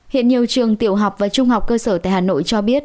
hiện nhiều trường tiểu học và trung học cơ sở tại hà nội cho biết